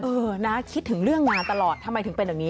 เออนะคิดถึงเรื่องงานตลอดทำไมถึงเป็นแบบนี้